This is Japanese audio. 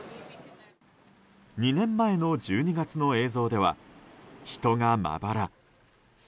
２年前の１２月の映像では人がまばら。